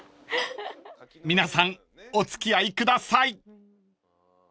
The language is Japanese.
［皆さんお付き合いください］